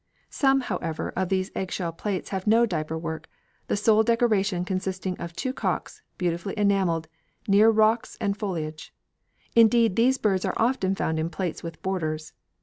Some, however, of these eggshell plates have no diaper work, the sole decoration consisting of two cocks, beautifully enamelled, near rocks and foliage. Indeed, these birds are often found in plates with borders.